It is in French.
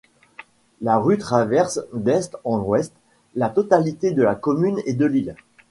La rue traverse d'est en ouest la totalité de la commune et de l'île.